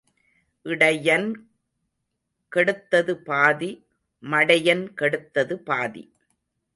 இடையன் கெடுத்தது பாதி மடையன் கெடுத்தது பாதி.